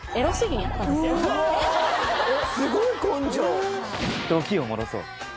うわすごい根性！